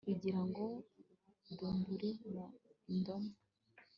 Igira ngo dumburi mu idoma